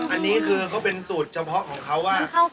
อันนี้คือเขาเป็นสูตรเฉพาะของเขาว่า